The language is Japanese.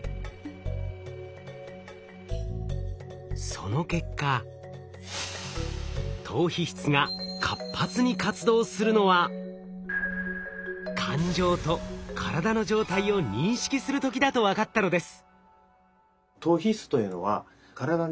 その結果島皮質が活発に活動するのは感情と体の状態を認識する時だと分かったのです。